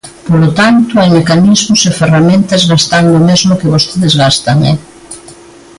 Polo tanto, hai mecanismos e ferramentas gastando o mesmo que vostedes gastan, ¡eh!